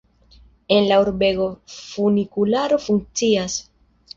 En la urbego funikularo funkcias.